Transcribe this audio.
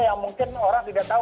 yang mungkin orang tidak tahu